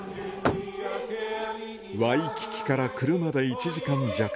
ワイキキから車で１時間弱。